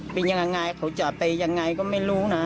เป็นยังไงเขาจะไปยังไงก็ไม่รู้นะ